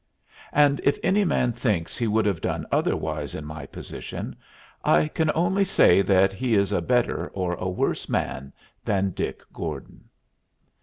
And if any man thinks he would have done otherwise in my position, I can only say that he is a better or a worse man than Dick Gordon.